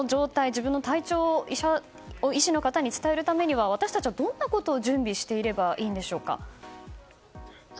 自分の体調を医師の方に伝えるためには私たちはどんなことを準備していればいいんでしょうか。